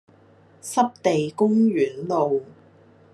濕地公園路